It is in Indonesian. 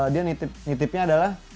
dia nitipnya adalah